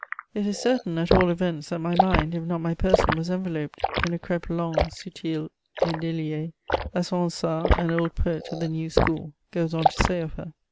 It is certain, at all events, that my mind, if not my person, was enveloped in a crespe long^ mbfU et deiiS^ as Ronsard, an old poet of tne new school, goes on to say of her.